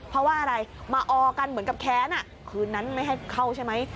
เพราะว่าอะไรมาออกันเหมือนกับแค้นคืนนั้นไม่ให้เข้าใช่ไหม